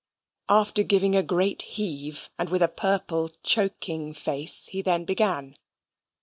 After giving a great heave, and with a purple choking face, he then began.